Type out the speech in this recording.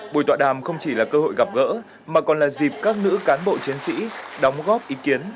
buổi tọa đàm không chỉ là cơ hội gặp gỡ mà còn là dịp các nữ cán bộ chiến sĩ đóng góp ý kiến